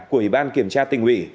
của ủy ban kiểm tra tỉnh ủy